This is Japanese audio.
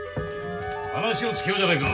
話をつけようじゃないか。